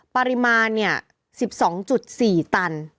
ปริมาณ๑๒๔ตัน